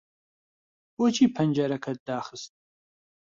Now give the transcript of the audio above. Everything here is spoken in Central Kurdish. بۆچی پەنجەرەکەت داخست؟